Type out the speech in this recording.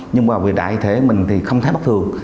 nhưng mà vì đại thể mình thì không thấy bất thường